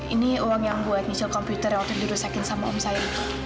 ini uang yang gue ngecil komputer yang waktu dirusakin sama om saya